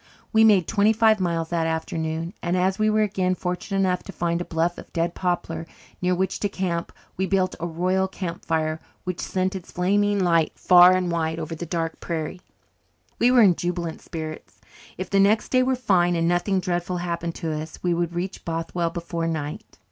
We made twenty five miles that afternoon and, as we were again fortunate enough to find a bluff of dead poplar near which to camp, we built a royal camp fire which sent its flaming light far and wide over the dark prairie. We were in jubilant spirits. If the next day were fine and nothing dreadful happened to us, we would reach Bothwell before night.